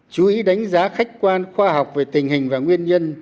chú ý đánh giá khách quan khoa học về tình hình và nguyên nhân